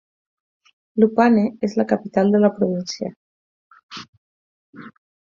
Lupane és la capital de la província.